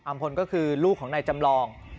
พลก็คือลูกของนายจำลอง